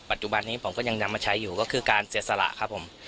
ปัจจุบันนี้ผมก็ยังนำมาใช้อยู่ก็คือการเสียสละครับผม